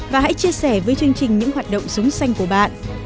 và hãy chia sẻ với chương trình những hoạt động sống xanh của bạn